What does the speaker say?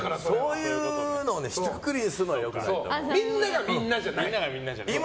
そういうのをひとくくりにするのはみんながみんなじゃないから。